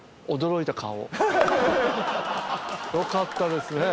よかったですね。